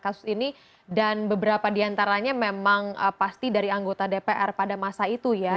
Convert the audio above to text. kasus ini dan beberapa diantaranya memang pasti dari anggota dpr pada masa itu ya